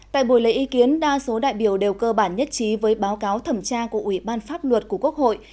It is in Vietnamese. tại buổi lấy ý kiến đa số đại biểu đều cơ bản nhất trí với báo cáo thẩm tra của ủy ban pháp luật của quốc hội